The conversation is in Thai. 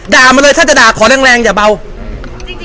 ด่ามาเลยถ้าจะด่าขอแรงแรงอย่าเบาจริงจริงเวลาเราเล่นอะไรกับเขา